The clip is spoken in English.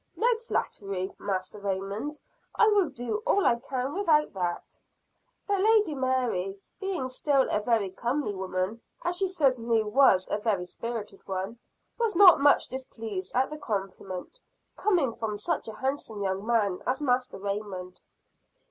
"No flattery, Master Raymond; I will do all I can without that;" but Lady Mary being still a very comely woman, as she certainly was a very spirited one, was not much displeased at the compliment, coming from such a handsome young man as Master Raymond.